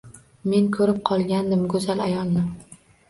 Men ko’rib qolgandim go’zal ayolni.